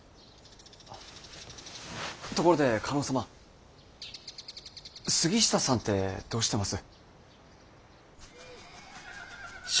ところで加納様杉下さんってどうしてます？